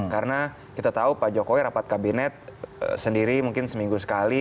karena kita tahu pak jokowi rapat kabinet sendiri mungkin seminggu sekali